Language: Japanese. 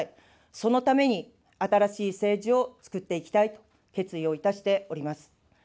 そのために、新しい政治をつくっていきたいと決意をいたしております。